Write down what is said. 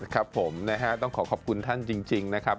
ครับผมนะฮะต้องขอขอบคุณท่านจริงนะครับ